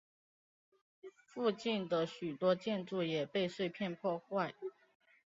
附近的许多建筑也被碎片破坏。